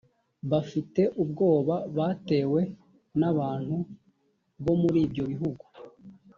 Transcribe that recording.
bafite ubwoba batewe n’abantu bo muri ibyo bihugu